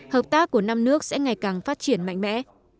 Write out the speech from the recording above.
hợp tác của năm nước sẽ ngày càng phát triển mạnh mẽ